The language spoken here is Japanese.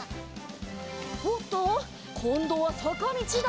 おっとこんどはさかみちだ。